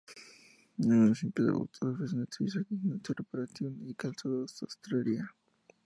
Algunos limpiabotas ofrecen el servicio adicional de reparación de calzado y sastrería.